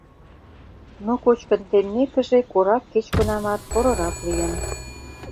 Но кочкын теммекыже, корак кеч-кунамат порырак лийын.